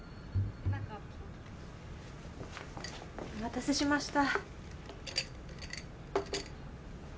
お待たせしました。